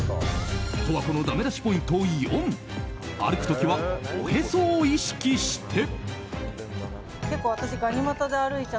十和子のダメ出しポイント４歩く時はおへそを意識して。